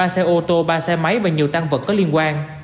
ba xe ô tô ba xe máy và nhiều tăng vật có liên quan